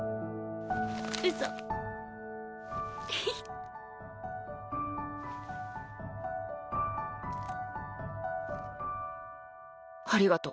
ウソ。ありがと。